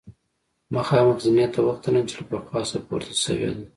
مخامخ زینې ته وختلم چې له پخوا څخه پورته شوې ده.